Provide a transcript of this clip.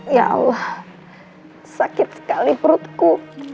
ya allah sakit sekali perutku